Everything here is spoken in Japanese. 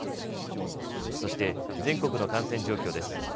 そして、全国の感染状況です。